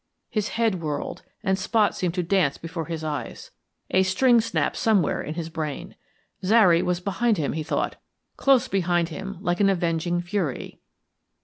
His head whirled, and spots seemed to dance before his eyes; a string snapped somewhere in his brain. Zary was behind him, he thought, close behind him like an avenging fury.